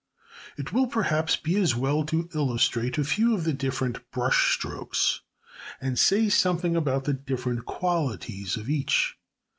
] It will perhaps be as well to illustrate a few of the different brush strokes, and say something about the different qualities of each.